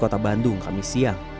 kota bandung kami siang